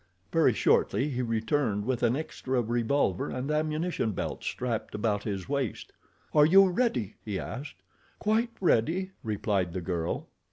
Very shortly he returned with an extra revolver and ammunition belt strapped about his waist. "Are you ready?" he asked. "Quite ready," replied the girl.